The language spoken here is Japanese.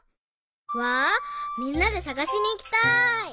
わあみんなでさがしにいきたい。